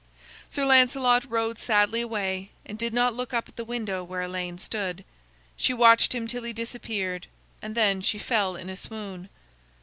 Sir Lancelot rode sadly away, and did not look up at the window where Elaine stood. She watched him till he disappeared, and then she fell in a swoon.